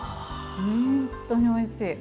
本当においしい。